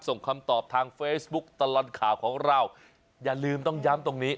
คำตอบทางเฟซบุ๊กตลอดข่าวของเราอย่าลืมต้องย้ำตรงนี้